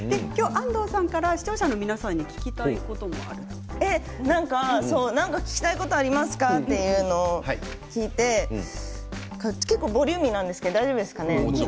安藤さんから視聴者の何か聞きたいことがありますかっていうのを聞いて結構ボリューミーなんですけれども大丈夫ですかね。